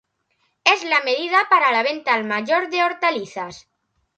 Es la medida para la venta al mayor de hortalizas.